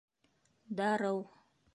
Дарыу